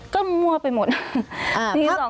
ก็มั่วไปหมดมี๒๓ชื่อ